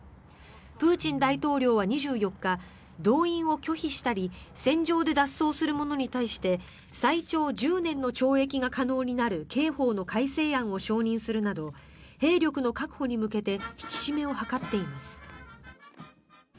プーチン大統領は２４日動員を拒否したり戦場で脱走する者に対して最長１０年の懲役可能になる刑法の改正案を承認するなど兵力の確保に向けて引き締めを図っています。